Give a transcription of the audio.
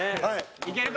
いけるか？